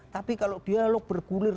tapi kalau dialog bergulir